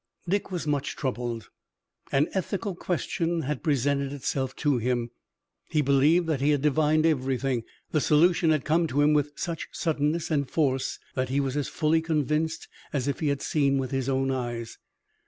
Dick was much troubled. An ethical question had presented itself to him. He believed that he had divined everything. The solution had come to him with such suddenness and force that he was as fully convinced as if he had seen with his own eyes.